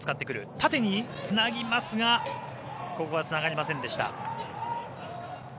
縦につなぎますがここはつながりませんでした。